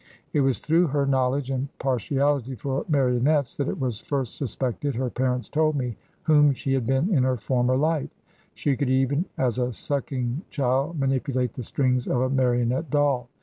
It was through her knowledge and partiality for marionettes that it was first suspected, her parents told me, whom she had been in her former life. She could even as a sucking child manipulate the strings of a marionette doll.